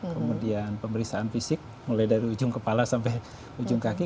kemudian pemeriksaan fisik mulai dari ujung kepala sampai ujung kaki